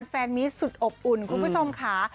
แฟนมิสสุดอบอุ่นคุณผู้ชมค่ะ